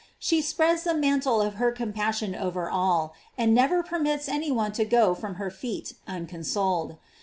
She spreads the mantle of her com passion over all, and never permits any one to go from her feet unconsoled.